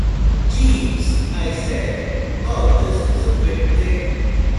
"Jeeves," I said, "all this is a bit thick."